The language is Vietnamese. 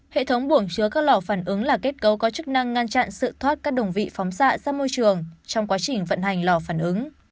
hệ thống buồng chứa các lò phản ứng là kết cấu có chức năng ngăn chặn sự thoát các đồng vị phóng xạ ra môi trường trong quá trình vận hành lò phản ứng